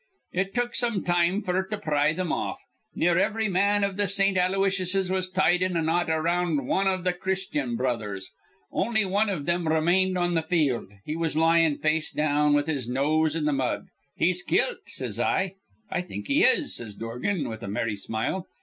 "It took some time f'r to pry thim off. Near ivry man iv th' Saint Aloysiuses was tied in a knot around wan iv th' Christyan Brothers. On'y wan iv them remained on th' field. He was lyin' face down, with his nose in th' mud. 'He's kilt,' says I. 'I think he is,' says Dorgan, with a merry smile.